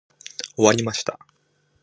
終わりました。